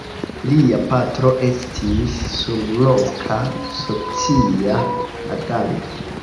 Lia patro estis surloka socia aganto.